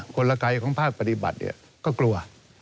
คนละกายของภาคปฏิบัติเนี่ยก็กลัว